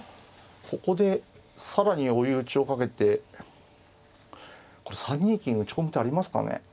ここで更に追い打ちをかけて３二金打ち込む手ありますかね。